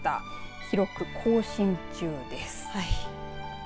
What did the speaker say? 記録更新中です。